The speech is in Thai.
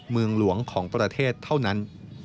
เมืองหลวงของประเทศเท่านั้น